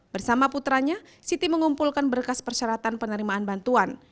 bersama putranya siti mengumpulkan berkas persyaratan penerimaan bantuan